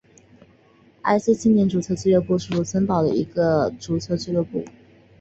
埃施青年足球俱乐部是卢森堡的一家足球俱乐部。